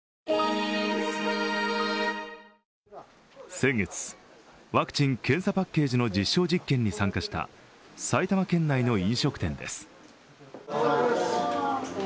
先月、ワクチン・検査パッケージの実証実験に参加した埼玉県内の飲食店です。